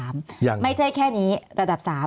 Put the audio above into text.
ไม่ใช่แค่นี้ระดับ๓